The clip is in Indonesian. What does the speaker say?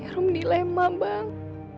rom dilema bang